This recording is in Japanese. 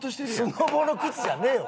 スノボの靴じゃねえわ！